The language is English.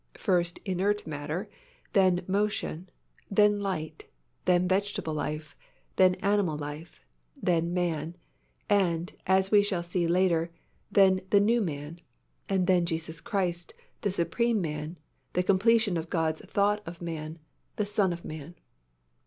First, inert matter; then motion; then light; then vegetable life; then animal life; then man; and, as we shall see later, then the new man; and then Jesus Christ, the supreme Man, the completion of God's thought of man, the Son of Man.